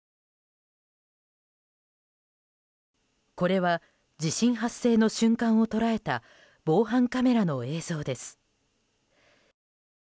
これは地震発生の瞬間を捉えた防犯カメラの映像です。